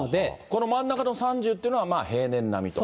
この真ん中の３０というのは平年並みと。